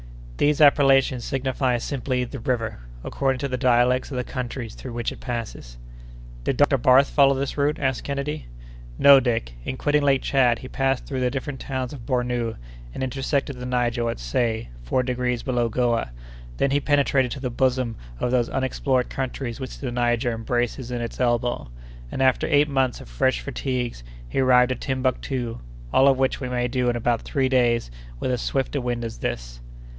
These appellations signify simply 'the River,' according to the dialects of the countries through which it passes." "Did Dr. Barth follow this route?" asked Kennedy. "No, Dick: in quitting Lake Tchad, he passed through the different towns of Bornou, and intersected the Niger at Say, four degrees below Goa; then he penetrated to the bosom of those unexplored countries which the Niger embraces in its elbow; and, after eight months of fresh fatigues, he arrived at Timbuctoo; all of which we may do in about three days with as swift a wind as this."